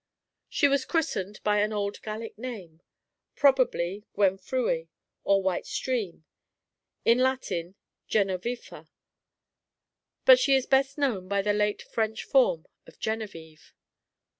She was christened by an old Gallic name, probably Gwenfrewi, or White Stream, in Latin Genovefa, but she is best known by the late French form of Genevieve.